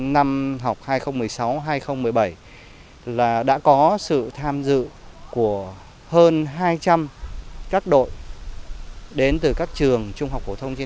năm học hai nghìn một mươi sáu hai nghìn một mươi bảy là đã có sự tham dự của hơn hai trăm linh các đội đến từ các trường trung học phổ thông trên